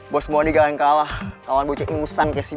bos mondi gak akan kalah kalau lo bocek imusan kayak si boy